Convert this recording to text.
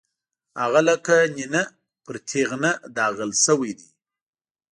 هغه لکه نېنه پر تېغنه داغل شوی دی.